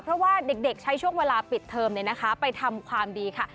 เพราะว่าเด็กใช้ช่วงเวลาปิดเทอมไปทำความดีค่ะ